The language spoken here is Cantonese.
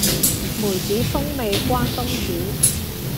梅子風味關東煮